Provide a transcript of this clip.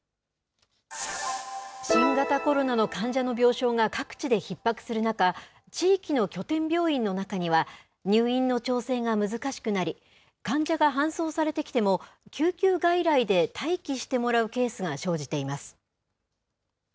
新型コロナの患者の病床が各地でひっ迫する中、地域の拠点病院の中には、入院の調整が難しくなり、患者が搬送されてきても、救急外来で待機してもらうケースが生じています。